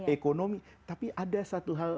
ekonomi tapi ada satu hal